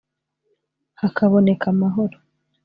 hakaboneka amahoro